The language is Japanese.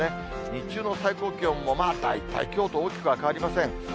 日中の最高気温もまあ大体きょうと大きくは変わりません。